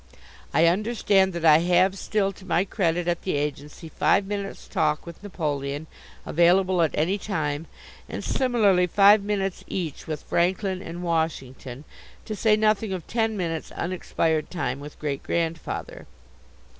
I understand that I have still to my credit at the agency five minutes' talk with Napoleon, available at any time, and similarly five minutes each with Franklin and Washington, to say nothing of ten minutes' unexpired time with Great grandfather.